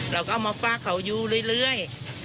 เราก็เอามาฝากเขาอยู่เรื่อย